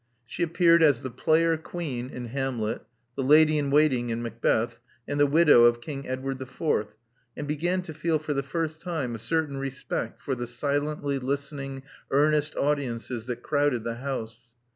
She appeared as the player queen in Hamlet, the lady in waiting in Macbeth, and the widow of King Edward IV., and began to feel for the first time a certain respect for the silently listening, earnest audiences that crowded the house.